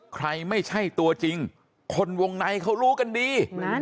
ไม่ใช่ตัวจริงคนวงในเขารู้กันดี